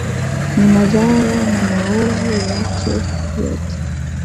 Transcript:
Ni madhara na maovu yake yote